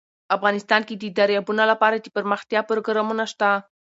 افغانستان کې د دریابونه لپاره دپرمختیا پروګرامونه شته.